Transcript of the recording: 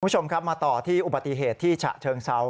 คุณผู้ชมครับมาต่อที่อุบัติเหตุที่ฉะเชิงเซา